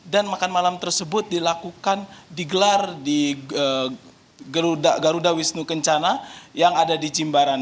makan malam tersebut dilakukan digelar di garuda wisnu kencana yang ada di jimbaran